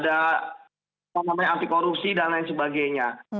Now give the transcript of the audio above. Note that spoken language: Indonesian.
apa namanya anti korupsi dan lain sebagainya